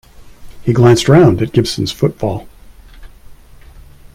He glanced round at Gibson’s footfall.